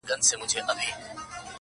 صبر ته د سترګو مي مُغان راسره وژړل؛